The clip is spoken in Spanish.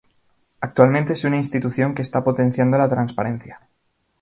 Actualmente es una Institución que esta potenciando la transparencia.